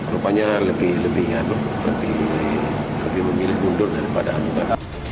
rupanya lebih memilih mundur daripada anggota